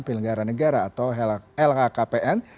pelenggara negara atau lkkpn